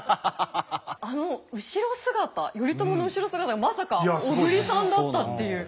あの後ろ姿頼朝の後ろ姿がまさか小栗さんだったっていう。